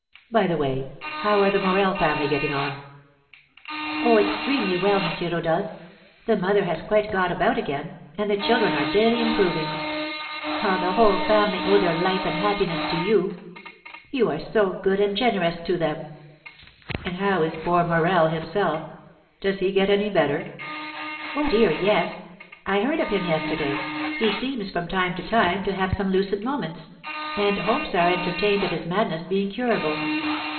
By the way, how are the Morel family getting on?" "Oh, extremely well, M. Rodolph. The mother has quite got about again, and the children are daily improving. Ah, the whole family owe their life and happiness to you! You are so good and so generous to them." "And how is poor Morel himself? Does he get any better?" "Oh, dear, yes; I heard of him yesterday, he seems from time to time to have some lucid moments, and hopes are entertained of his madness being curable.